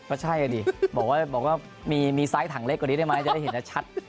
ก็ใช่อ่ะดิบอกว่ามีไซส์ถังเล็กกว่านี้ได้ไหมจะได้เห็นชัด